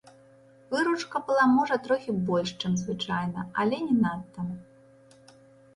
Выручка была можа трохі больш, чым звычайна, але не надта.